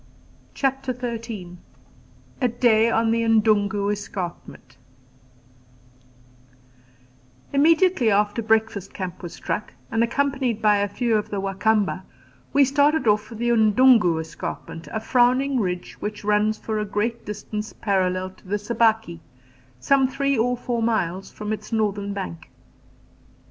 CHAPTER XIII A DAY ON THE N'DUNGU ESCARPMENT Immediately after breakfast camp was struck, and accompanied by a few of the Wa Kamba, we started off for the N'dungu Escarpment a frowning ridge which runs for a great distance parallel to the Sabaki, some three or four miles from its northern bank.